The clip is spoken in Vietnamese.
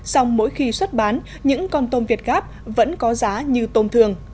xong mỗi khi xuất bán những con tôm việt gáp vẫn có giá như tôm thường